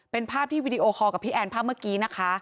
เป็นภาพที่วีดีโอคอลกับพี่แอนภาพเมื่อกี้นะคะ